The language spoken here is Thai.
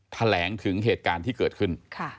แถลงถึงเหตุการณ์ที่เกิดขึ้น